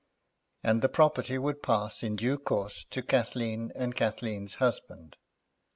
And the property would pass in due course to Kathleen and Kathleen's husband.